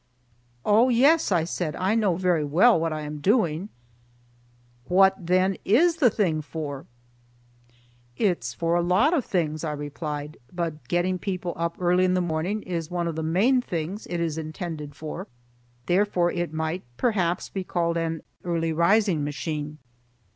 "Oh, yes," I said, "I know very well what I am doing." "What, then, is the thing for?" "It's for a lot of things," I replied, "but getting people up early in the morning is one of the main things it is intended for; therefore it might perhaps be called an early rising machine."